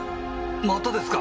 またですか！